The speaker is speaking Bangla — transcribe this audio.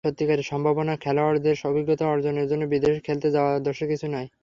সত্যিকারের সম্ভাবনাময় খেলোয়াড়দের অভিজ্ঞতা অর্জনের জন্য বিদেশে খেলতে যাওয়া দোষের কিছু নয়।